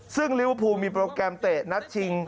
ซึ่งลิเวอร์พูลมีโปรแกรมเตะนัดชิง